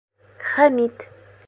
Хәмит.